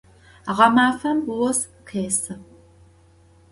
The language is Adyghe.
Ğemafem vos khêsı.